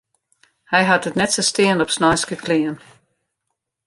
Hy hat it net sa stean op sneinske klean.